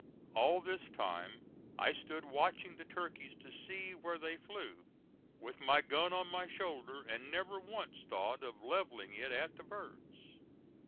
All this time I stood watching the turkeys to see where they flew with my gun on my shoulder, and never once thought of levelling it at the birds.